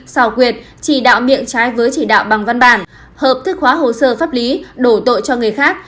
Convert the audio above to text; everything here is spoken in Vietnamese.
xào quyệt chỉ đạo miệng trái với chỉ đạo bằng văn bản hợp thức hóa hồ sơ pháp lý đổ tội cho người khác